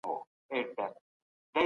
مکناتن د خطر سره سره پلان ته دوام ورکړ.